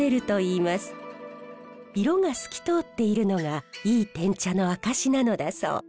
色が透き通っているのがいいてん茶の証しなのだそう。